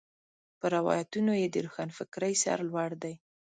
پر روایتونو یې د روښنفکرۍ سر لوړ دی.